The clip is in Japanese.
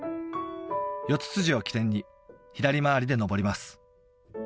四ツ辻を起点に左回りで登ります